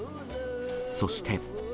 そして。